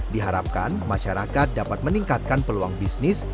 diharapkan masyarakat dapat meningkatkan peluang bisnis